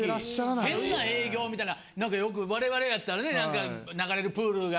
変な営業みたいな何かよく我々やったらね流れるプールが。